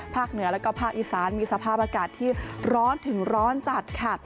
เหนือแล้วก็ภาคอีสานมีสภาพอากาศที่ร้อนถึงร้อนจัดค่ะ